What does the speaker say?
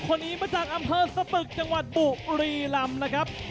คนนี้มาจากอำเภอสตึกจังหวัดบุรีลำนะครับ